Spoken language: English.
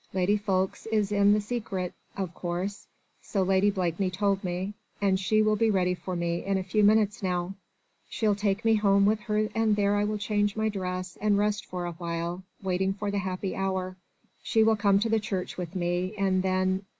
Lady Ffoulkes is in the secret, of course, so Lady Blakeney told me, and she will be ready for me in a few minutes now: she'll take me home with her and there I will change my dress and rest for awhile, waiting for the happy hour. She will come to the church with me and then